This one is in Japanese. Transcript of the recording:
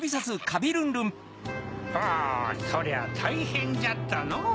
ほぉそりゃたいへんじゃったの。